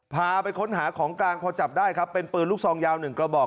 พาไปค้นหาของกลางพอจับได้ครับเป็นปืนลูกซองยาว๑กระบอก